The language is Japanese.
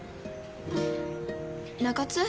中津。